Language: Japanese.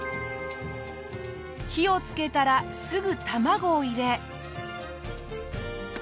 火をつけたらすぐたまごを入れ。